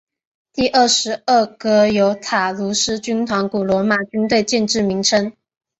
第二十二德尤塔卢斯军团古罗马军队建制名称。